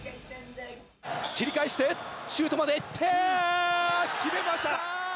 切り返して、シュートまでいって、決めました！